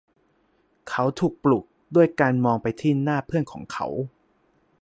เขาถูกปลุกด้วยการมองไปที่หน้าเพื่อนของเขา